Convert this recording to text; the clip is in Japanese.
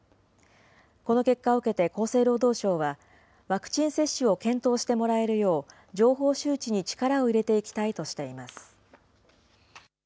この結果を受けて厚生労働省は、ワクチン接種を検討してもらえるよう、情報周知に力を入れていきたいとしています。